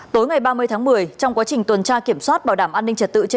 tối ngày ba mươi tháng một mươi trong quá trình tuần tra kiểm soát bảo đảm an ninh trật tự trên